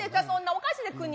そんなんおかしいです。